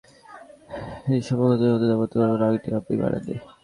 জ্বি, সৌভাগ্যবশত তেমন কোন আংটি আপনি পরেননি।